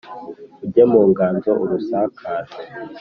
ujye mu nganzo urusakaze